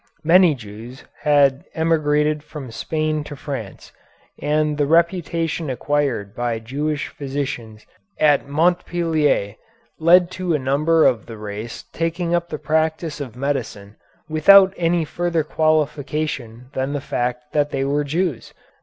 Many Jews had emigrated from Spain to France, and the reputation acquired by Jewish physicians at Montpellier led to a number of the race taking up the practice of medicine without any further qualification than the fact that they were Jews.